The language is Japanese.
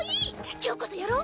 今日こそやろう。